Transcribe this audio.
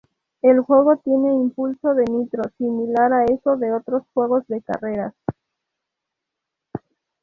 El juego tiene impulso de nitro, similar a eso de otros juegos de carreras.